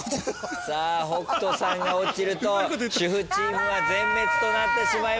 さあ北斗さんが落ちると主婦チームが全滅となってしまいます。